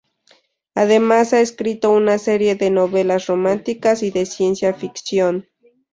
Además, ha escrito una serie de novelas románticas y de ciencia ficción.